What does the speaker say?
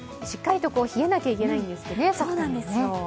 しっかりと冷えなきゃいけないんですってね、桜って。